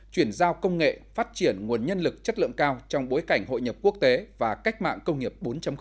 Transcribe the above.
chuyển giao công nghệ phát triển nguồn nhân lực chất lượng cao trong bối cảnh hội nhập quốc tế và cách mạng công nghiệp bốn